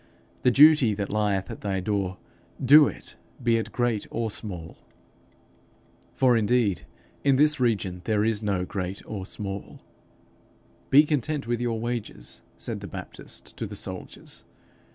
The duty that lieth at thy door, do it, be it great or small.' For indeed in this region there is no great or small. 'Be content with your wages,' said the Baptist to the soldiers.